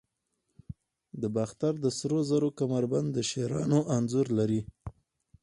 د باختر د سرو زرو کمربند د شیرانو انځور لري